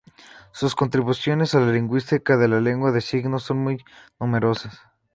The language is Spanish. Sus contribuciones a la lingüística de la lengua de signos son muy numerosas.